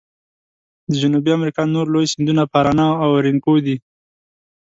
د جنوبي امریکا نور لوی سیندونه پارانا او اورینوکو دي.